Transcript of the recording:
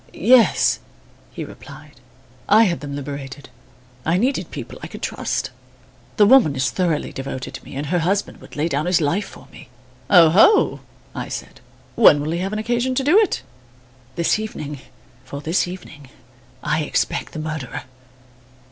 "Yes," he replied, "I had them liberated, I needed people I could trust. The woman is thoroughly devoted to me, and her husband would lay down his life for me." "Oho!" I said, "when will he have occasion to do it?" "This evening, for this evening I expect the murderer."